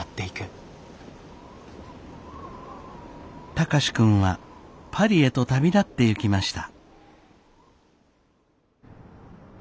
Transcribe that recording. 貴司君はパリへと旅立ってゆきました。